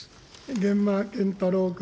源馬謙太郎君。